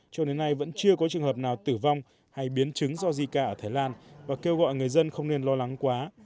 cho đến nay vẫn chưa có trường hợp nào tử vong hay biến chứng do zika ở thái lan và kêu gọi người dân không nên lo lắng quá